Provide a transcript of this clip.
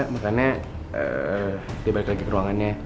makanya dia balik lagi ke ruangannya